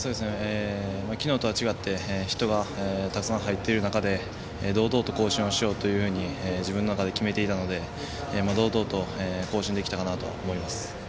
昨日とは違って人がたくさん入ってる中で堂々と行進をしようと自分の中で決めていたので堂々と行進できたかなと思います。